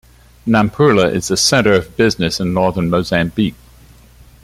Nampula is the centre of business in northern Mozambique.